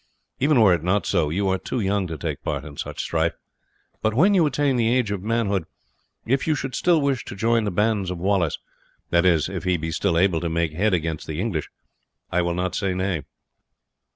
Even were it not so, you are too young to take part in such strife, but when you attain the age of manhood, if you should still wish to join the bands of Wallace that is, if he be still able to make head against the English I will not say nay.